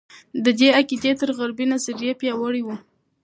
د دې عقیده تر غربي نظریې پیاوړې وه.